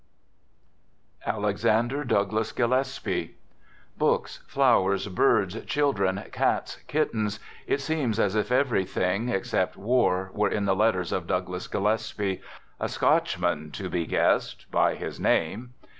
Digitized by ALEXANDER DOUGLAS GILLESPIE Books, flowers, birds, children, cats, kittens — it seems as if everything, except war, were in the letters of Douglas Gillespie — a Scotchman to be guessed by his name.